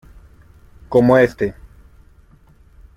como este.